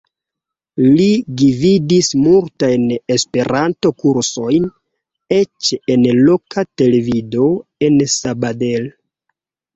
Li gvidis multajn Esperanto-kursojn, eĉ en loka televido en Sabadell.